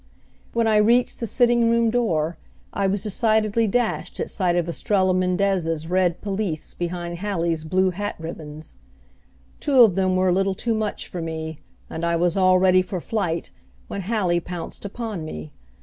When I reached the sitting room door I was decidedly dashed at sight of Estrella Mendez's red pelisse behind Hallie's blue hat ribbons. Two of them were a little too much for me, and I was all ready for flight when Hallie pounced upon me.